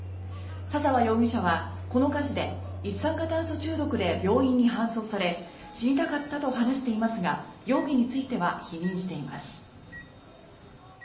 佐澤容疑者はこの火事で一酸化炭素中毒で病院に搬送され死にたかったと話していますが容疑については否認しています。